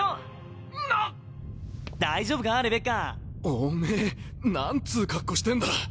おめぇ何つう格好してんだ。